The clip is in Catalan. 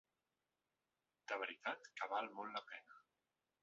De veritat que val molt la pena.